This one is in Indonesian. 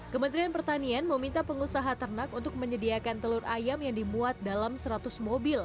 kementerian pertanian meminta pengusaha ternak untuk menyediakan telur ayam yang dimuat dalam seratus mobil